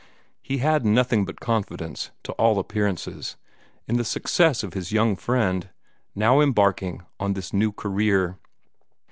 He had nothing but confidence, to all appearances, in the success of his young friend, now embarking on this new career.